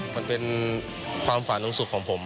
มันเป็นความฝันของสุขของผม